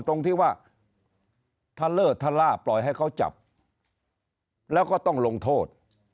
ตรงที่ว่าทะเลอร์ทะล่าปล่อยให้เขาจับแล้วก็ต้องลงโทษ